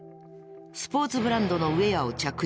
スポーツブランドのウェアを着用。